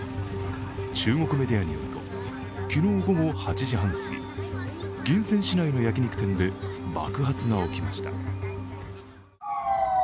中国メディアによると昨日午後８時半すぎ銀川市内の焼き肉店で爆発が起きました。